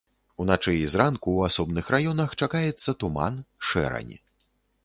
Уначы і зранку ў асобных раёнах чакаецца туман, шэрань.